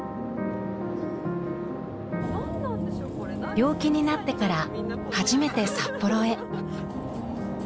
病気になってから初めて札幌へ。